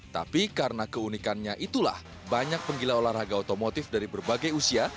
tapi karena keunikannya itulah banyak penggila olahraga otomotif dari berbagai usia